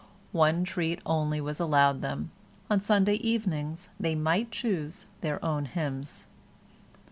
One treat only was allowed them—on Sunday evenings they might choose their own hymns.